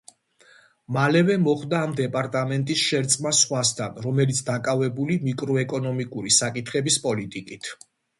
მალევე, მოხდა ამ დეპარტამენტის შერწყმა სხვასთან, რომელიც დაკავებული მაკროეკონომიკური საკითხების პოლიტიკით.